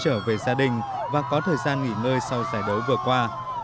cầu thủ sẽ trở về gia đình và có thời gian nghỉ ngơi sau giải đấu vừa qua